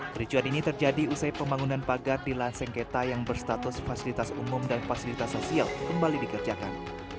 kericuan ini terjadi usai pembangunan pagar di lahan sengketa yang berstatus fasilitas umum dan fasilitas sosial kembali dikerjakan